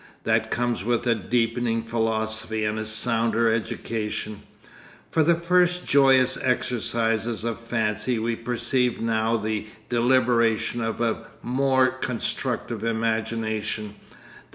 That comes with a deepening philosophy and a sounder education. For the first joyous exercises of fancy we perceive now the deliberation of a more constructive imagination.